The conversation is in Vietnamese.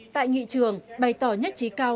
tại nghị trường bày tỏ nhất trí cao